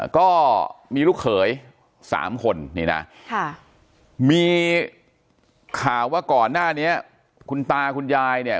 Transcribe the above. ก็มีลูกเขยสามคนนี่นะมีข่าวว่าก่อนหน้านี้คุณตาคุณยายเนี่ย